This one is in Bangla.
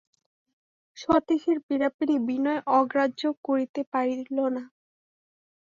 সতীশের পীড়াপীড়ি বিনয় অগ্রাহ্য করিতে পারিল না।